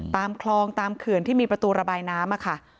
ตามคลองตามเขื่อนที่มีประตูระบายน้ำค่ะ